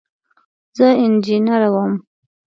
زه انجنیره یم.